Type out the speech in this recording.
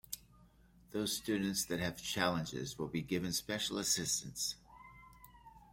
Those students that have challenges will be given special assistance.